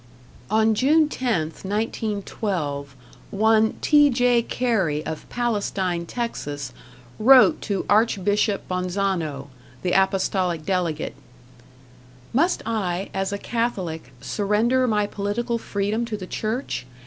On June 10th, 1912, one T.J. Carey of Palestine, Texas, wrote to Archbishop Bonzano, the Apostolic Delegate: "Must I, as a Catholic, surrender my political freedom to the Church?